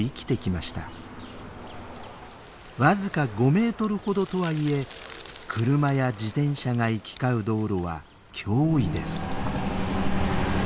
僅か５メートルほどとはいえ車や自転車が行き交う道路は脅威です。